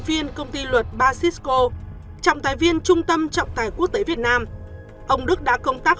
viên công ty luật bacisco trọng tài viên trung tâm trọng tài quốc tế việt nam ông đức đã công tác